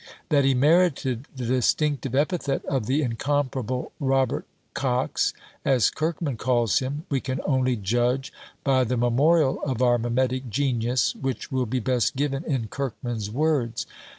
That he merited the distinctive epithet of "the incomparable Robert Cox," as Kirkman calls him, we can only judge by the memorial of our mimetic genius, which will be best given in Kirkman's words.